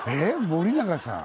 森永さん